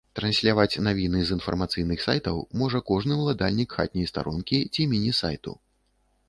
Трансьляваць навіны з інфармацыйных сайтаў можа кожны ўладальнік хатняй старонкі ці міні-сайту.